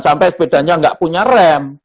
sampai sepedanya nggak punya rem